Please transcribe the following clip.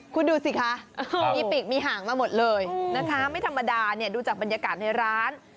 คุณดูสิคะมีปีกมีห่างมาหมดเลยนะคะไม่ธรรมดาเนี่ยดูจากบรรยากาศในร้าน